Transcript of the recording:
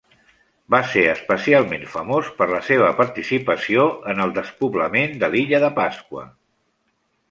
Va ser especialment famós per la seva participació en el despoblament de l'illa de Pasqua.